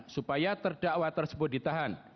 supaya terdakwa tersebut ditahan